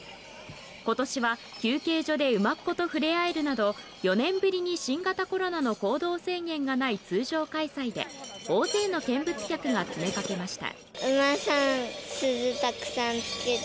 ことしは休憩所で馬コと触れ合えるなど、４年ぶりに新型コロナの行動制限がない通常開催で、大勢の見物客が詰めかけました。